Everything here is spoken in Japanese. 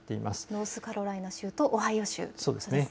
ノースカロライナ州とオハイオ州です。